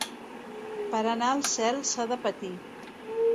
Per anar al cel s'ha de patir.